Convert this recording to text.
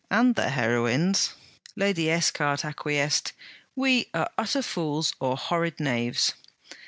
And their heroines!' Lady Esquart acquiesced: 'We are utter fools or horrid knaves.'